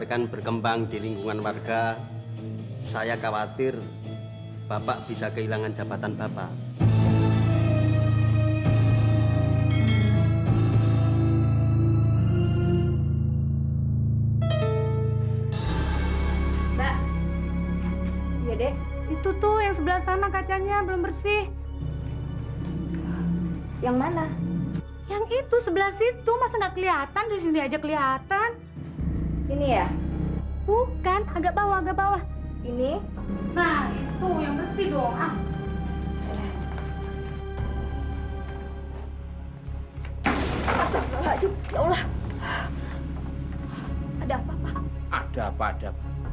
sampai jumpa di video selanjutnya